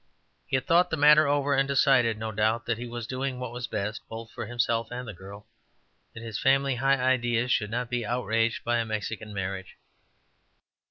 He had thought the matter all over, and decided, no doubt, that he was doing what was best both for himself and the girl; that his family's high ideas should not be outraged by a Mexican marriage.